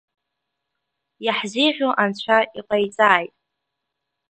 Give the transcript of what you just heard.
Иаҳзеиӷьу анцәа иҟаиҵааит!